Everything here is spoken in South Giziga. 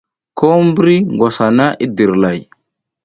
Ko mbri ngwas hana i dirlay.